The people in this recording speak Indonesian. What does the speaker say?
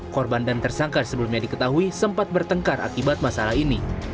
korban dan tersangka sebelumnya diketahui sempat bertengkar akibat masalah ini